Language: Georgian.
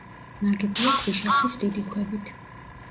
ნაგებია ქვიშაქვის დიდი ქვებით.